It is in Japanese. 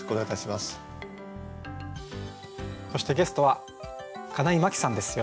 そしてゲストは金井真紀さんです。